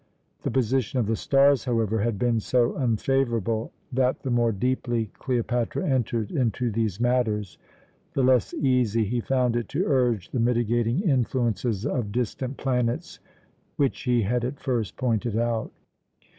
The position of the stars, however, had been so unfavourable that the more deeply Cleopatra entered into these matters, the less easy he found it to urge the mitigating influences of distant planets, which he had at first pointed out.